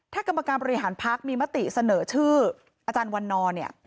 ถ้ากรรมการบริหารพักมีมติเสนอชื่ออาจารย์วันนอร์เนี่ย